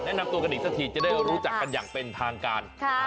แนะนำตัวกันอีกสักทีจะได้รู้จักกันอย่างเป็นทางการ